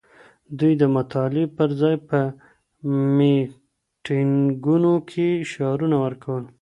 دوی د مطالعې پر ځای په میټینګونو کي شعارونه ورکول.